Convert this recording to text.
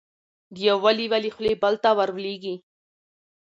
د یوه لېوه له خولې بل ته ور لوېږي